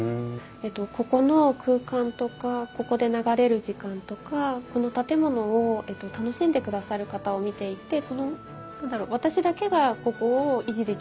ここの空間とかここで流れる時間とかこの建物を楽しんでくださる方を見ていてその何だろう私だけがここを維持できるとは思ってないんです。